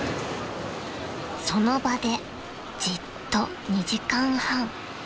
［その場でじっと２時間半］